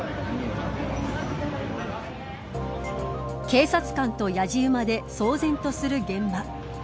警察官とやじ馬で騒然とする現場。